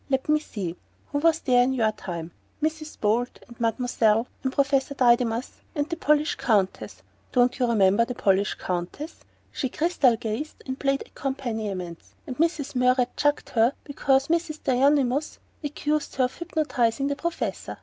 "Let me see who was there in your time? Mrs. Bolt and Mademoiselle and Professor Didymus and the Polish Countess. Don't you remember the Polish Countess? She crystal gazed, and played accompaniments, and Mrs. Murrett chucked her because Mrs. Didymus accused her of hypnotizing the Professor.